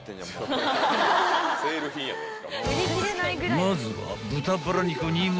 ［まずは］